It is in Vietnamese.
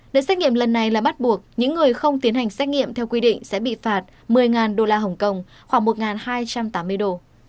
đợt xét nghiệm lần này là bắt buộc những người không tiến hành xét nghiệm theo quy định sẽ bị phạt một mươi đô la hồng kông khoảng một hai trăm tám mươi đô